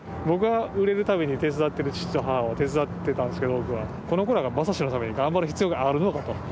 僕は売れるために手伝ってる父と母を手伝ってたんですけどこの子らが政志のために頑張る必要があるのかと。